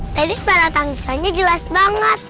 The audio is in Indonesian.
tadi para tangisannya jelas banget